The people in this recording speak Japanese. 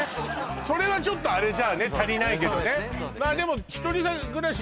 それはちょっとあれじゃあね足りないけどね